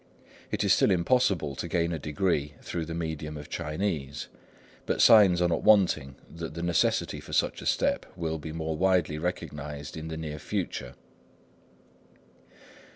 It is still impossible to gain a degree through the medium of Chinese, but signs are not wanting that the necessity for such a step will be more widely recognised in the near future.